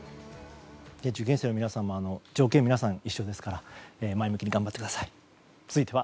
受験生の皆さんも条件は一緒ですから前向きに頑張ってください。